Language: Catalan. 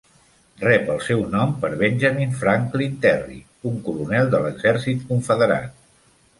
Rep el seu nom per Benjamin Franklin Terry, un coronel de l'exèrcit confederat.